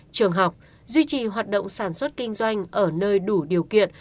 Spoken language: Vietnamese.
trường học duy trì hoạt động sản xuất kinh doanh ở nơi đủ điều kiện